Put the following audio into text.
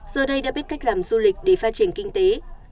giờ đây đã biết cách làm du lịch để phát triển kinh tế